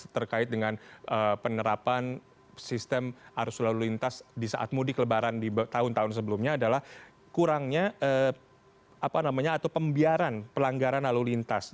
terkait dengan penerapan sistem arus lalu lintas di saat mudik lebaran di tahun tahun sebelumnya adalah kurangnya atau pembiaran pelanggaran lalu lintas